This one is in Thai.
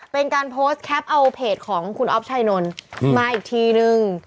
เป็นการโพสต์แคปเอาเพจของคุณอ๊อฟชายนนท์มาอีกทีนึง